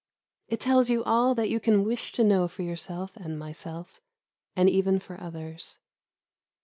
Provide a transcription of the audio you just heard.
It tells you all that you can wish to know for yourself and myself and even for others.